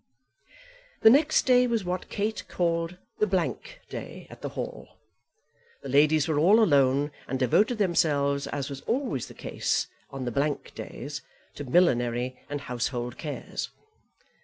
The next day was what Kate called the blank day at the Hall. The ladies were all alone, and devoted themselves, as was always the case on the blank days, to millinery and household cares.